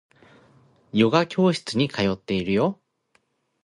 ヨガ教室に通っているよ